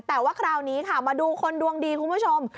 แต่ว่าคราวนี้ค่ะมาดูคนดวงดีคุณผู้ชม